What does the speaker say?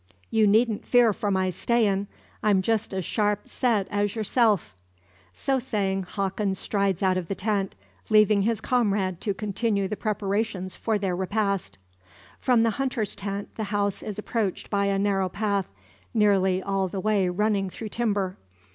"You needn't fear for my stayin'. I'm just as sharp set as yourself." So saying, Hawkins strides out of the tent, leaving his comrade to continue the preparations for their repast. From the hunter's tent, the house is approached by a narrow path, nearly all the way running through timber.